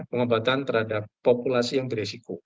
pengobatan terhadap populasi yang beresiko